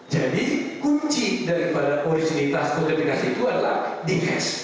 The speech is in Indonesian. jadi kunci daripada originalitas kondifikasi itu adalah di hash